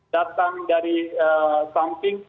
datang dari samping